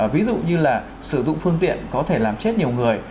ví dụ như là sử dụng phương tiện có thể làm chết nhiều người